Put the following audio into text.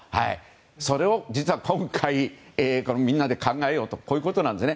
それを実は今回みんなで考えようということです。